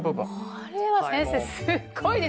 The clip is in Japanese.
これは先生すっごいですね！